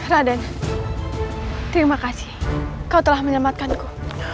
terima kasih kau telah menyelamatkanku